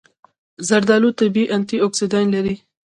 زردآلو طبیعي انټياکسیدان لري.